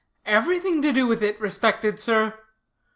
"Everything to do with it, respected sir.